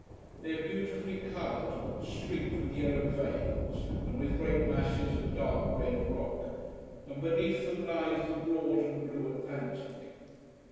They are beautifully coloured, streaked with yellow veins, and with great masses of dark red rock; and beneath them lies the broad and blue Atlantic.